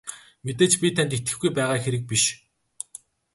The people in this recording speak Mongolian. Мэдээж би танд итгэхгүй байгаа хэрэг биш.